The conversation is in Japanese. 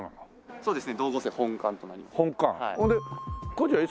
そうですね。